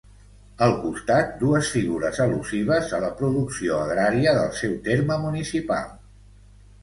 Al costat, dues figures al·lusives a la producció agrària del seu terme municipal.